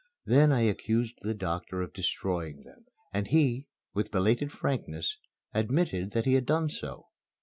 Then I accused the doctor of destroying them, and he, with belated frankness, admitted that he had done so.